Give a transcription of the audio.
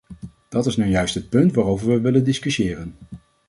Dat is nou juist het punt waarover we willen discussiëren.